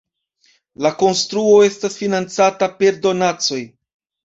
La konstruo estas financata per donacoj.